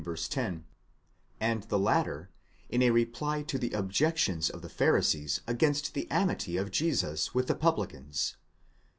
ro), and the latter, in a reply to the objections of the Pharisees against the amity of Jesus with the publicans (xv.